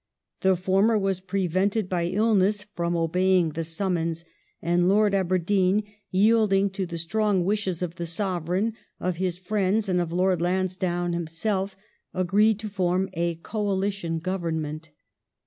The former was pre vented by illness from obeying the summons, and Lgni^Aberdeeii, yielding to the strong wishes of the Sovereign, of his friends, and of Lord Lansdowne himself, agreed to form a coalition Government.